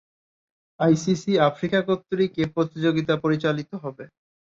ICC Africa কর্তৃক এ প্রতিযোগিতা পরিচালিত হবে।